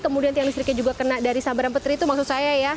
kemudian tiang listriknya juga kena dari sambaran petir itu maksud saya ya